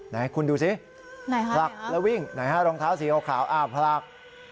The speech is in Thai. ไหนคุณดูสิผลักแล้ววิ่งไหนฮะรองเท้าสีขาวผลัก